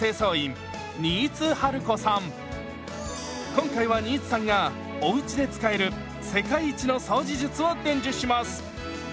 今回は新津さんがおうちで使える世界一の掃除術を伝授します！